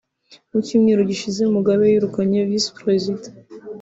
Mmu cyumweru gishize Mugabe yirukanye Visi-Perezida